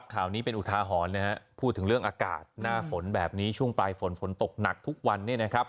ข่าวนี้เป็นอุทาหรณ์นะฮะพูดถึงเรื่องอากาศหน้าฝนแบบนี้ช่วงปลายฝนฝนตกหนักทุกวันเนี่ยนะครับ